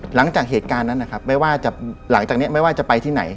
หลังจากเหตุการณ์นั้นนะครับไม่ว่าจะหลังจากนี้ไม่ว่าจะไปที่ไหน